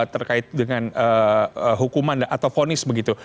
terkait dengan hukuman atau fonis begitu